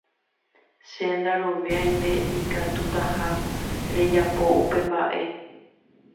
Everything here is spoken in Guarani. Che ndaroviái nde ikatutaha rejapo upe mba'e